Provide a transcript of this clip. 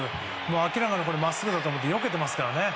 明らかにまっすぐだと思ってよけていますからね。